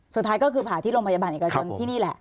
สุดท้ายก็คือผ่าที่โรงพยาบาลเอกชนที่นี่แหละ